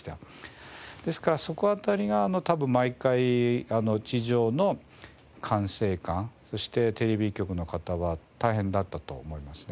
ですからそこ辺りが多分毎回地上の管制官そしてテレビ局の方は大変だったと思いますね。